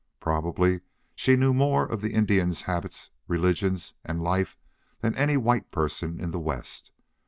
Probably she knew more of the Indians' habits, religion, and life than any white person in the West.